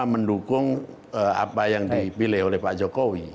mendukung apa yang dipilih oleh pak jokowi